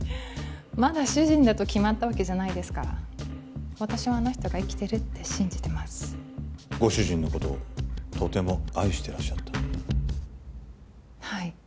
まだ主人だと決まったわけじゃないですから私はあの人が生きてるって信じてますご主人のことをとても愛してらっしゃったはい